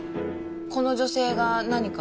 この女性が何か？